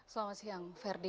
selamat siang ferdi